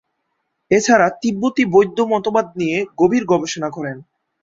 এছাড়া তিব্বতি বৌদ্ধ মতবাদ নিয়ে গভীর গবেষণা করেন।